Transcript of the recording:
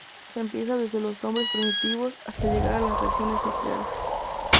Se empieza desde los hombres primitivos, hasta llegar a las reacciones nucleares.